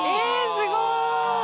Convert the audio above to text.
すごーい！